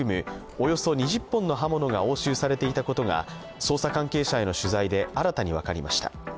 およそ２０本の刃物が押収されていたことが捜査関係者への取材で新たに分かりました。